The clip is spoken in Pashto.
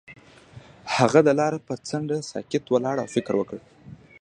هغه د لاره پر څنډه ساکت ولاړ او فکر وکړ.